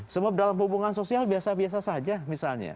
sebab dalam hubungan sosial biasa biasa saja misalnya